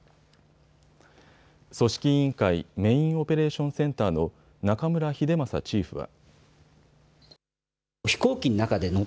組織委員会メインオペレーションセンターの中村英正チーフは。